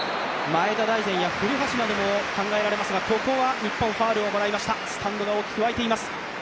前田大然や古橋も考えられますがここは日本、ファウルをもらいましたスタンドが大きく沸いています。